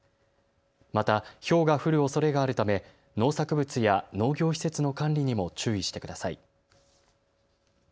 また、ひょうが降るおそれがあるため農作物や農業施設の管理にも注意してください。